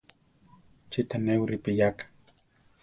¿Chí tanéwi ripiyáka.